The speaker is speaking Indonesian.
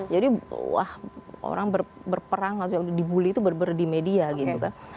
jadi orang berperang atau dibully itu benar benar di media gitu kan